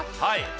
はい。